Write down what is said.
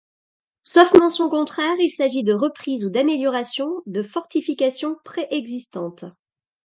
Sauf mention contraire, il s’agit de reprises ou d’améliorations de fortifications préexistantes.